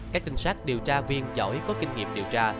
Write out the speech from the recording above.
các trinh sát điều tra viên giỏi có kinh nghiệm điều tra